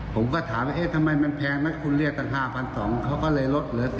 ผมก็ถามว่าเอ๊ะทำไมมันแพงไหมคุณเรียกตั้ง๕๒๐๐เขาก็เลยลดเหลือ